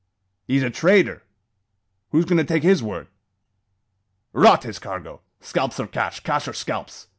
"He's a trader. Who's goin' to take his word?" "Rot his cargo! Scalps or cash, cash or scalps!